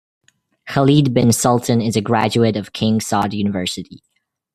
Khalid bin Sultan is a graduate of King Saud University.